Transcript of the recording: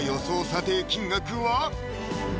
査定金額は？